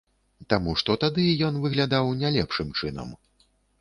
Таму, што тады ён выглядаў не лепшым чынам.